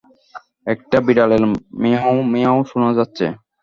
একটা বিড়ালের ম্যায়াও মর্য্যায়াও শোনা যাচ্ছে।